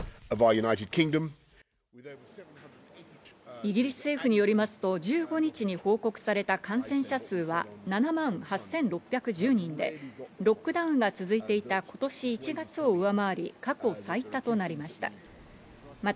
イギリス政府によりますと１５日に報告された感染者数は７万８６１０人で、ロックダウンが続いていた今年１月を上回り過去最多となりました。